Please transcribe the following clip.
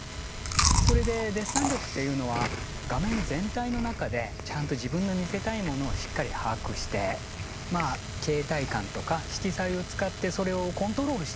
それでデッサン力っていうのは画面全体の中でちゃんと自分の見せたいものをしっかり把握して形態感とか色彩を使ってそれをコントロールしていく。